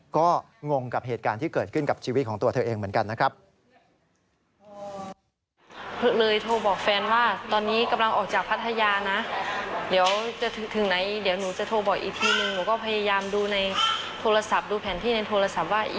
ก็งงกับเหตุการณ์ที่เกิดขึ้นกับชีวิตของตัวเธอเองเหมือนกันนะครับ